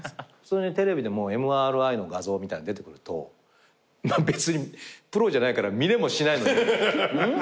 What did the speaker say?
テレビでＭＲＩの画像みたいなの出てくると別にプロじゃないから見れもしないのにん？